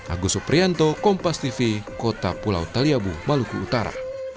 agus suprianto kompas tv kota pulau taliabu maluku utara